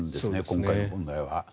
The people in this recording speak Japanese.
今回の問題は。